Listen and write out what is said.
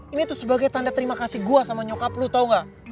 ini tuh sebagai tanda terima kasih gue sama nyokap lu tahu gak